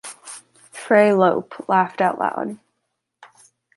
Fray Lope laughed loud: